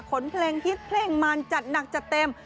เพลงฮิตเพลงมันจัดหนักจัดเต็ม